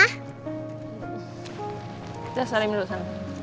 kita salim dulu salim